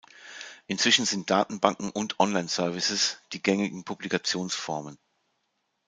Inzwischen sind Datenbanken und Online-Services die gängigen Publikationsformen.